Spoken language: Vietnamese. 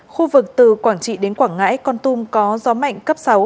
khu vực từ quảng trị đến quảng ngãi con tum có gió mạnh cấp sáu